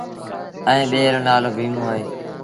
ائيٚݩ ٻي رو نآلو ڀيٚموݩ اهي۔